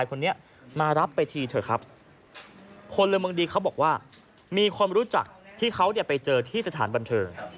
คนเริ่มบังดีเขาบอกว่ามีความรู้จักที่เขาเนี่ยไปเจอที่สถานบันเทิง